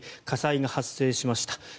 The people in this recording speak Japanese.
火災が発生しました。